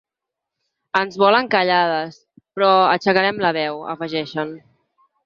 “Ens volen callades, però aixecarem la veu!”, afegeixen.